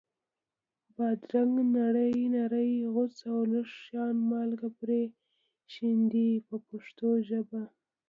بادرنګ نري نري غوڅ او لږ شان مالګه پرې شیندئ په پښتو ژبه.